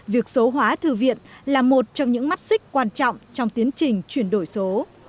việc số hóa thư viện là một trong những mắt xích quan trọng trong tiến trình chuyển đổi số